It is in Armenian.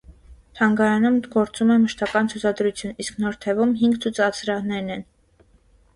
Թանգարանում գործում է մշտական ցուցադրություն, իսկ նոր թևում՝ հինգ ցուցասրահներն են։